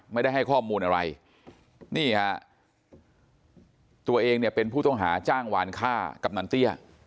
ไม่ได้ให้ข้อมูลอะไรนี่ฮะตัวเองเนี่ยเป็นผู้ต้องหาจ้างวานฆ่ากำนันเตี้ย